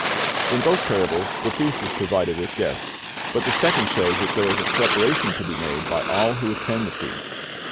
In both parables the feast is provided with guests, but the second shows that there is a preparation to be made by all who attend the feast.